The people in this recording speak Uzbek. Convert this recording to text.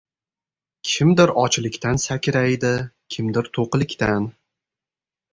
• Kimdir ochlikdan sakraydi, kimdir — to‘qlikdan.